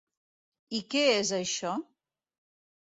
I què és això?